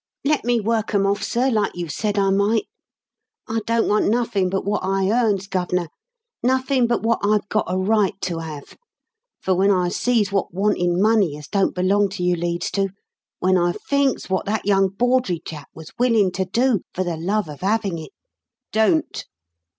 "Let me work 'em off, sir, like you said I might. I don't want nothin' but wot I earns, Gov'nor; nothin' but wot I've got a right to have; for when I sees wot wantin' money as don't belong to you leads to; when I thinks wot that young Bawdrey chap was willin' to do for the love of havin' it " "Don't!"